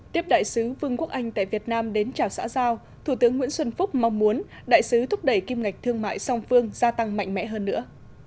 tiếp đại sứ vương quốc anh tại việt nam đến chào xã giao thủ tướng nguyễn xuân phúc mong muốn đại sứ thúc đẩy kim ngạch thương mại song phương gia tăng mạnh mẽ hơn nữa